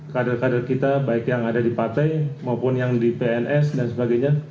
kader kader kita baik yang ada di partai maupun yang di pns dan sebagainya